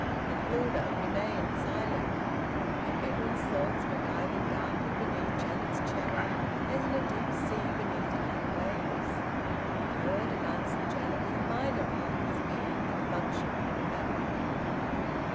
And Hilda remained silent. And Edwin's thoughts were diving darkly beneath Janet's chatter as in a deep sea beneath light waves. He heard and answered Janet with a minor part of his being that functioned automatically.